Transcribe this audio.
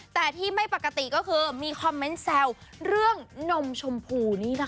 แต่ที่ไม่ปกติก็คือมีคอมเมนต์แซวเรื่องนมชมพูนี่นะคะ